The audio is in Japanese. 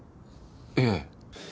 いえ。